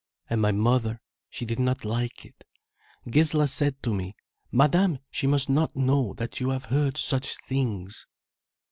And my mother, she did not like it. Gisla said to me, 'Madame, she must not know that you have heard such things.